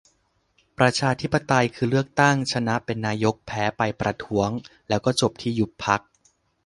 ประชาธิปไตย คือ เลือกตั้ง ชนะเป็นนายก แพ้ไปประท้วง แล้วก็จบที่ยุบพรรค